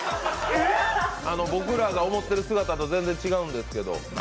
僕らが思ってる姿と全然違うんですけど。